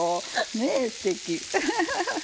ねぇすてき。